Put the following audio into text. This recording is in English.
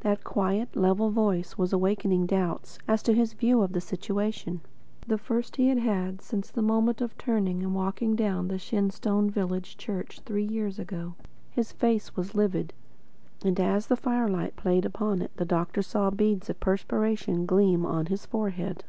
That quiet, level voice was awakening doubts as to his view of the situation, the first he had had since the moment of turning and walking down the Shenstone village church three years ago. His face was livid, and as the firelight played upon it the doctor saw beads of perspiration gleam on his forehead.